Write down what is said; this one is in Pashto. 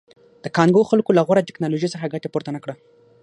د کانګو خلکو له غوره ټکنالوژۍ څخه ګټه پورته نه کړه.